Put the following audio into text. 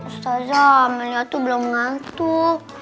ustadz amalia tuh belum ngantuk